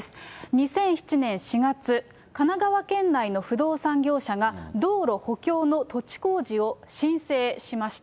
２００７年４月、神奈川県内の不動産業者が、道路補強の土地工事を申請しました。